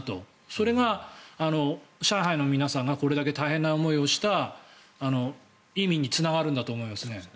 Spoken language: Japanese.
それが上海の皆さんがこれだけ大変な思いをした意味につながるんだと思いますね。